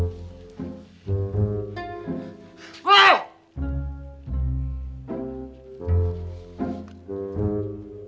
kemana tuh orang